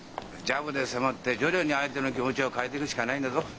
ジャブで迫って徐々に相手の気持ちを変えてくしかないんだぞ。